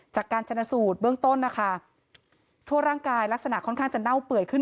จากการชนะสูตรเบื้องต้นนะคะทั่วร่างกายลักษณะค่อนข้างจะเน่าเปื่อยขึ้น